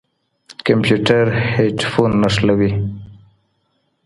کمپيوټر هېډفون نښلوي.